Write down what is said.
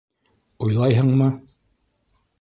— Уйлайһыңмы?